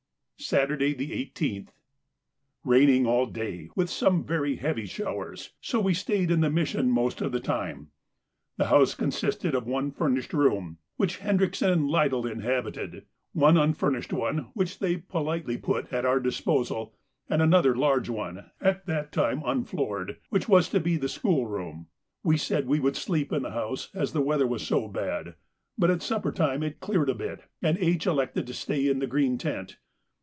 Saturday, the 18th.—Raining all day, with some very heavy showers, so we stayed in the Mission most of the time. The house consisted of one furnished room, which Hendrickson and Lydell inhabited, one unfurnished one, which they politely put at our disposal, and another large one, at that time unfloored, which was to be the school room. We said we would sleep in the house as the weather was so bad, but at supper time it cleared a bit, and H. elected to stay in the green tent.